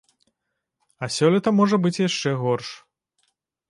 А сёлета можа быць яшчэ горш.